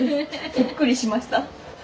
びっくりしました。